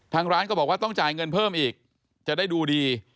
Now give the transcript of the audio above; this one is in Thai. ทางร้านก็บอกว่าต้องจ่ายเงินเพิ่มอีกจะได้ดูดี